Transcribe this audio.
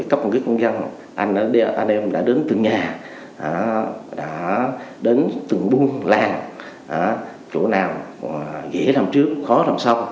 anh em đã đến từng nhà đã đến từng buôn làng chỗ nào dễ làm trước khó làm sau